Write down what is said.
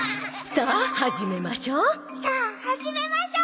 「さあ始めましょう」。